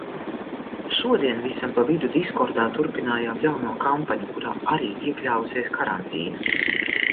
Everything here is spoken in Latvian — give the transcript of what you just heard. Šodien visam pa vidu diskordā turpinājām jauno kampaņu, kurā arī iekļāvusies karantīna.